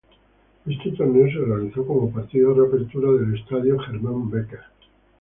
Este torneo se realizó como partido de reapertura del Estadio Germán Becker.